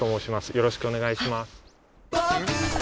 よろしくお願いします。